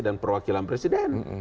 dan perwakilan presiden